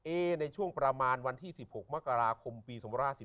ในช่วงประมาณวันที่๑๖มกราคมปี๒๔